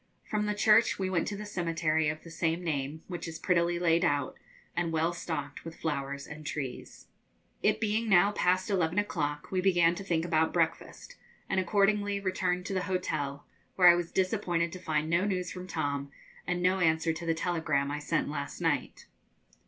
From the church we went to the cemetery of the same name, which is prettily laid out, and well stocked with flowers and trees. It being now past eleven o'clock, we began to think about breakfast, and accordingly returned to the hotel, where I was disappointed to find no news from Tom and no answer to the telegram I sent last night.